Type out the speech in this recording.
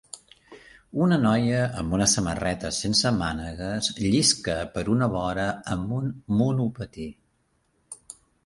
Una noia amb una samarreta sense mànegues llisca per una vora amb un monopatí.